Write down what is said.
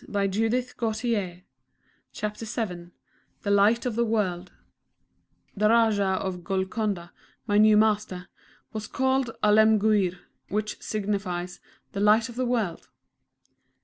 CHAPTER VII THE LIGHT OF THE WORLD The Rajah of Golconda, my new master, was called Alemguir, which signifies, "The Light of the World."